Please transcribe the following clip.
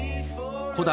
古代